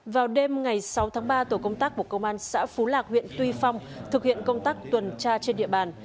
vào đêm ngày sáu tháng ba tổ công tác của công an xã phú lạc huyện tuy phong thực hiện công tác tuần tra trên địa bàn